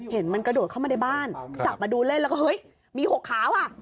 เห็นมันกระโดดเข้ามาในบ้านจับมาดูเล่นแล้วก็เฮ้ยมี๖ขาวอ่ะ